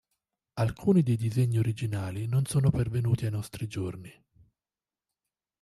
Alcuni dei disegni originali non sono pervenuti ai nostri giorni.